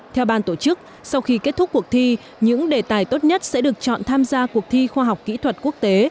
theo ban tổ chức sau khi kết thúc cuộc thi những đề tài tốt nhất sẽ được chọn tham gia cuộc thi khoa học kỹ thuật quốc tế